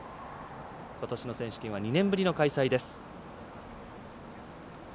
ことしの選手権は２年ぶりの開催です。